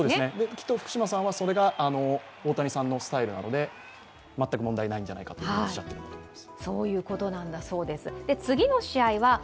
きっと福島さんはそれが大谷さんのスタイルなので全く問題ないんじゃないかとおっしゃっているわけです。